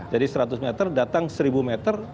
jadi seratus meter datang seribu meter